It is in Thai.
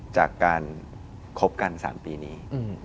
จากการคบกัน๓ปีนี้